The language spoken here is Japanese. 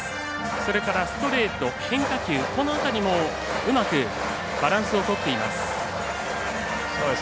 それからストレート、変化球この辺りもうまくバランスをとっています。